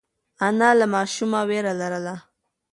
انا له ماشومه وېره لرله.